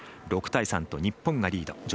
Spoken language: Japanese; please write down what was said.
６対３と日本がリード。